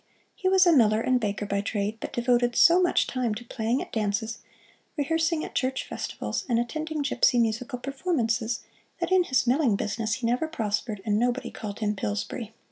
He was a miller and baker by trade, but devoted so much time to playing at dances, rehearsing at church festivals, and attending gipsy musical performances, that in his milling business he never prospered and nobody called him "Pillsbury."